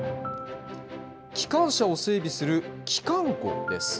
機関車を整備する機関庫です。